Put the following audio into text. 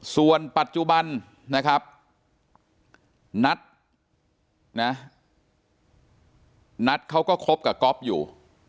ส่วนปัจจุบันนะครับนัทนะนัทเขาก็คบกับก๊อฟอยู่